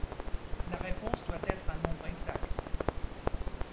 La réponse doit être un nombre exact.